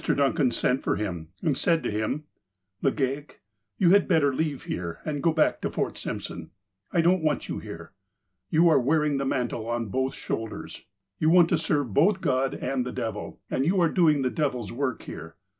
Duncan sent for him, and said to him : "Legaic, you had better leave here, and go l)ack to Fort Simpson. I don't want you here. You are wear I LEGAIC 159 ing the mantle on both shoulders. You want to serve both God and the devil, and you are doing the devil's work here.